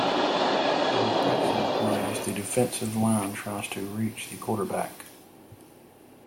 On passing plays, the defensive line tries to reach the quarterback.